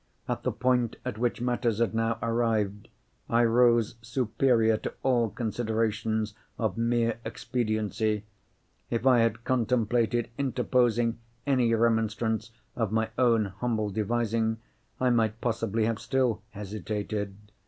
At the point at which matters had now arrived, I rose superior to all considerations of mere expediency. If I had contemplated interposing any remonstrance of my own humble devising, I might possibly have still hesitated.